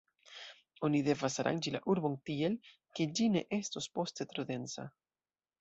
Oni devas aranĝi la arbon tiel, ke ĝi ne estos poste tro densa.